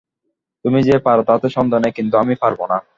তুমি যে পার তাতে সন্দেহ নেই, কিন্তু আমি পারব না।